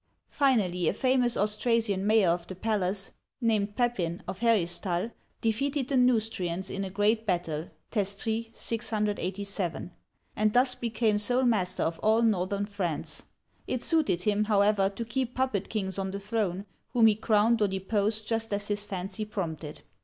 Finally a famous Austrasian mayor of the palace, named Pep'in (of H^ristal), defeated the Neustrians in a great battle (Testry, 687), and thus became sole master of all northern France. It suited him, however, to keep puppet kings on the throne, whom he crowned or deposed just as his fancy prompted.